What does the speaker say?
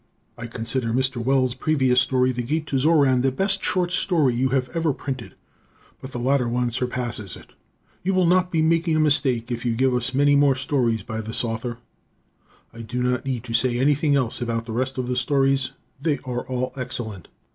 I considered Mr. Wells' previous story, "The Gate to Xoran" the best short story you had ever printed, but the later one surpasses it. You will not be making a mistake if you give us many more stories by this Author. I do not need to say anything else about the rest of the stories they are all excellent.